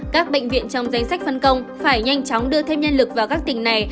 các bệnh viện trong danh sách phân công phải nhanh chóng đưa thêm nhân lực vào các tỉnh này